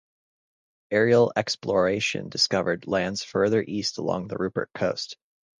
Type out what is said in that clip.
Aerial exploration discovered lands farther east along the Ruppert Coast.